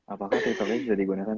apakah tiktoknya bisa digunakan